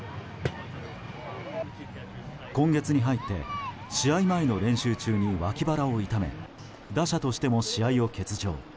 今月に入って試合前の練習中に脇腹を痛め打者としても試合を欠場。